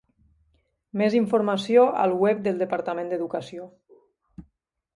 Més informació al web del Departament d'Educació.